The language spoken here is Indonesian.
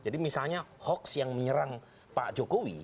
jadi misalnya hoax yang menyerang pak jokowi